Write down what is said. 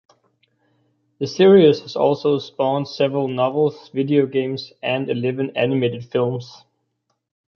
The series has also spawned several novels, video games and eleven animated films.